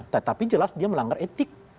tetapi jelas dia melanggar etik